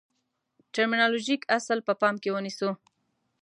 ټرمینالوژیک اصل په پام کې ونیسو.